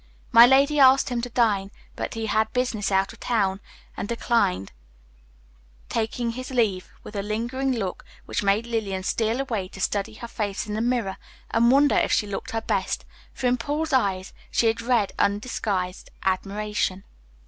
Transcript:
My lady asked him to dine, but he had business out of town and declined, taking his leave with a lingering look, which made Lillian steal away to study her face in the mirror and wonder if she looked her best, for in Paul's eyes she had read undisguised admiration.